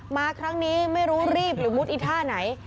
มาครั้งนี้ไม่รู้รีบหรือมุดอีท่าไหน